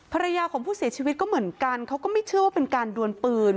ภรรยาของผู้เสียชีวิตก็เหมือนกันเขาก็ไม่เชื่อว่าเป็นการดวนปืน